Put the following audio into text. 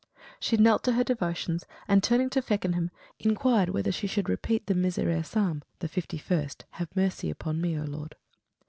She knelt to her devotions, and turning to Feckenham, inquired whether she should repeat the Miserere psalm (the fifty first, "Have mercy upon me, O Lord").